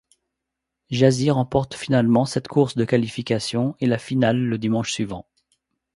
Jazy remporte finalement cette course de qualification, et la finale le dimanche suivant.